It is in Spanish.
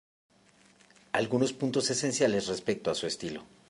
Algunos puntos esenciales respecto a su estilo.